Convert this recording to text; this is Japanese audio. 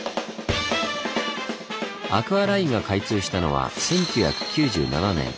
アクアラインが開通したのは１９９７年。